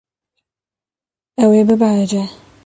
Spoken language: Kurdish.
Ew ê bibehece.